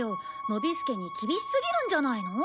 ノビスケに厳しすぎるんじゃないの？